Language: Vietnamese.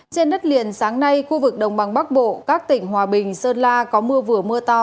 trên đất liền sáng nay khu vực đồng bằng bắc bộ các tỉnh hòa bình sơn la có mưa vừa mưa to